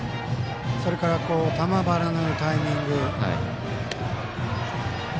それから、球離れのタイミング。